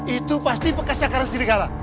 itu pasti bekas cakaran serigala